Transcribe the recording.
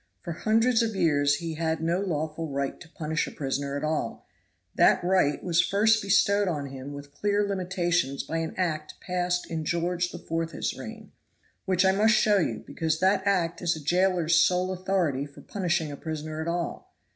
For hundreds of years he had no lawful right to punish a prisoner at all; that right was first bestowed on him with clear limitations by an act passed in George the Fourth's reign, which I must show you, because that act is a jailer's sole authority for punishing a prisoner at all.